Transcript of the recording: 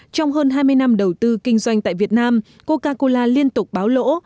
trong hơn hai mươi năm đầu tư kinh doanh tại việt nam coca cola liên tục báo lỗ